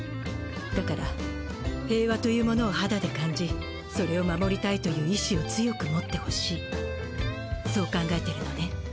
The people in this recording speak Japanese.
だから平和というものを肌で感じそれを守りたいという意思を強く持って欲しいそう考えてるのね？